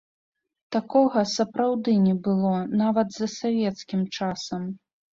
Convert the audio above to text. Такога, сапраўды, не было нават за савецкім часам.